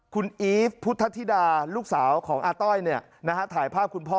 คุณอีฟพุทธธิดาลูกสาวของอาต้อยถ่ายภาพคุณพ่อ